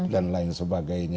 dan lain sebagainya